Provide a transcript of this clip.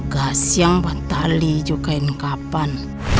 gas yang batali juga ingkapan